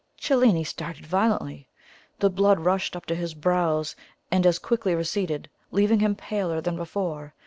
Cellini started violently; the blood rushed up to his brows and as quickly receded, leaving him paler than before.